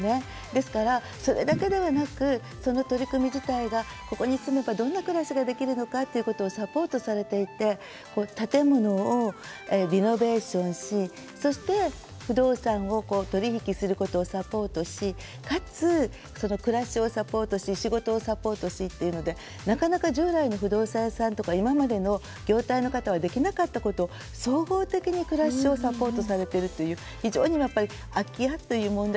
ですから、それだけではなくその取り組み自体がここに住むと、どんな暮らしができるのかというのをサポートされていて建物をリノベーションしそして、不動産を取引することをサポートしかつ、その暮らしをサポートし仕事をサポートし、ということでなかなか従来の不動産屋さんとか今までの業態の方はできなかったことを総合的に暮らしをサポートされているという非常に空き家という問題